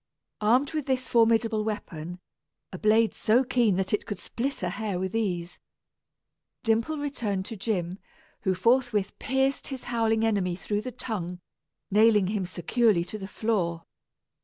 Armed with this formidable weapon, a blade so keen that it could split a hair with ease, Dimple returned to Jim, who forthwith pierced his howling enemy through the tongue, nailing him securely to the floor.